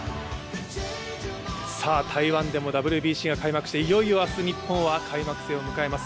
台湾でもＷＢＣが開幕して、いよいよ明日日本は開幕戦を迎えます。